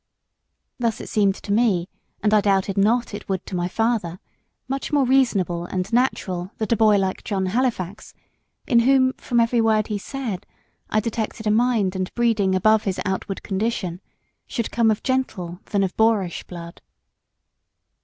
Thus it seemed to me, and I doubted not it would to my father, much more reasonable and natural that a boy like John Halifax in whom from every word he said I detected a mind and breeding above his outward condition should come of gentle than of boorish blood.